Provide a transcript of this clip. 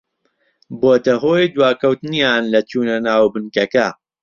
بۆتە هۆی دواکەوتنیان لە چوونە ناو بنکەکە